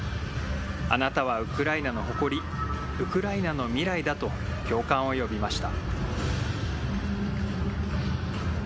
あなたはウクライナの誇り、ウクライナの未来だと、共感を呼びました。